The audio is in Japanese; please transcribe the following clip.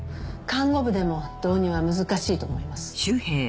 看護部でも導入は難しいと思います。